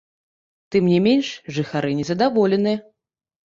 Тым не менш, жыхары незадаволеныя.